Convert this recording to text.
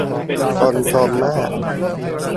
คนจนมาก